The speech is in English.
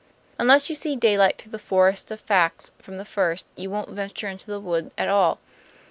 Unless you see daylight through the forest of facts from the first, you won't venture into the wood at all.